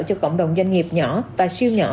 cho cộng đồng doanh nghiệp nhỏ và siêu nhỏ